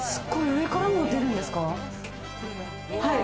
上からも出るんですか？